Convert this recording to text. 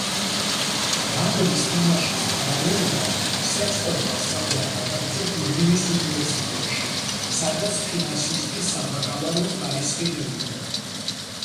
რაგბის თამაშის პარალელურად სექსტონმა სწავლა განაგრძო დუბლინის უნივერსიტეტში სადაც ფინანსისტის საბაკალავრო ხარისხი მიიღო.